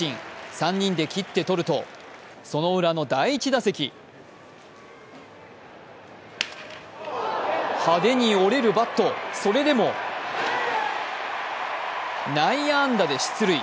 ３人で切って取るとそのウラの第１打席派手に折れるバット、それでも内野安打で出塁。